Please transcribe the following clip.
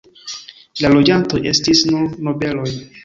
La loĝantoj estis nur nobeloj.